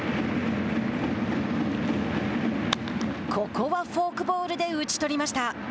ここはフォークボールで打ち取りました。